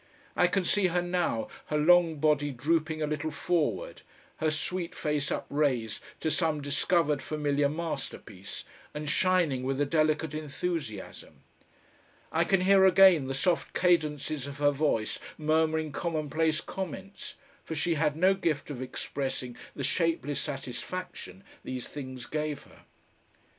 I can see her now, her long body drooping a little forward, her sweet face upraised to some discovered familiar masterpiece and shining with a delicate enthusiasm. I can hear again the soft cadences of her voice murmuring commonplace comments, for she had no gift of expressing the shapeless satisfaction these things gave her.